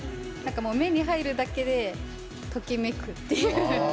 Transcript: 目に入るだけでときめくっていう。